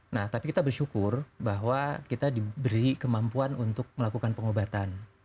nah tapi kita bersyukur bahwa kita diberi kemampuan untuk melakukan pengobatan